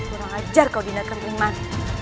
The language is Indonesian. kurang ajar kau dinakal iman